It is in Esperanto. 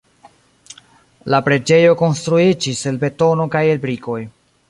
La preĝejo konstruiĝis el betono kaj el brikoj.